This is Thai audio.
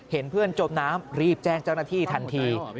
เห็นเพื่อนจมน้ำรีบแจ้งเจ้าหน้าที่ทันที